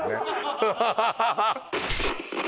フハハハ